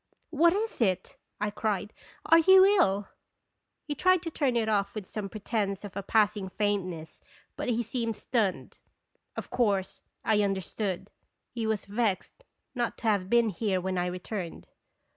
"What is it?" I cried. "Are you ill?" He tried to turn it off with some pretense of a passing faintness, but he seemed stunned. Of course, I understood he was vexed not to have been here when I returned.